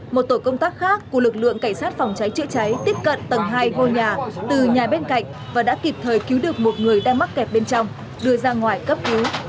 một tổ công tác khác của lực lượng cảnh sát phòng cháy chữa cháy tiếp cận tầng hai ngôi nhà từ nhà bên cạnh và đã kịp thời cứu được một người đang mắc kẹt bên trong đưa ra ngoài cấp cứu